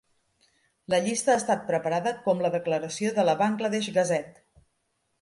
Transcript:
La llista ha esta preparada com la declaració de la "Bangladesh Gazette".